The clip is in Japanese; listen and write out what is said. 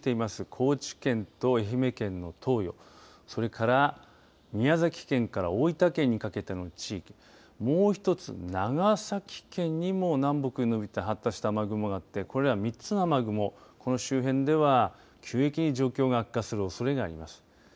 高知県と愛媛県の東予、それから宮崎県から大分県にかけての地域、もう１つ長崎県にも南北に延びた発達した雨雲があってこれら３つの雨雲、この周辺では急激に状況が悪化するおそれがあります。